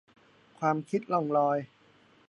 ความคิดล่องลอย